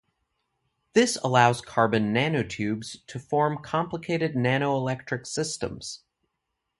This allows carbon nanotubes to form complicated nanoelectric systems.